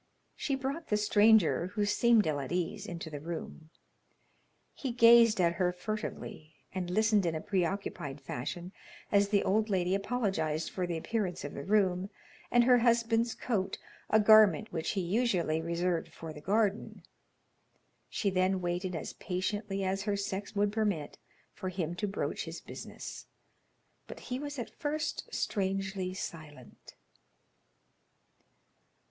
She brought the stranger, who seemed ill at ease, into the room. He gazed at her furtively, and listened in a preoccupied fashion as the old lady apologized for the appearance of the room, and her husband's coat, a garment which he usually reserved for the garden. She then waited as patiently as her sex would permit, for him to broach his business, but he was at first strangely silent.